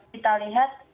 jadi itu harusnya dipangkas